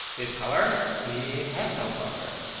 "His colour? He has no colour."